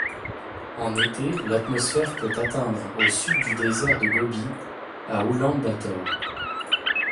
En été, l’atmosphère peut atteindre au sud du désert de Gobi, à Oulan-Bator.